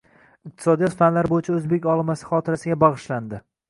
Iqtisodiyot fanlari bo‘yicha o‘zbek olimasi xotirasiga bag‘ishlanding